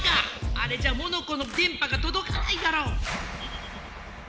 あれじゃモノコのでんぱがとどかないだろう！